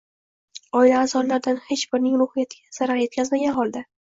oila aʼzolaridan hech birining ruhiyatiga zarar yetkazmagan holda